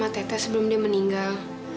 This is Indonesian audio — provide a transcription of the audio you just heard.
tapi sebelum ibu meninggal